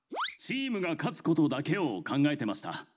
チームが勝つことだけを考えてました。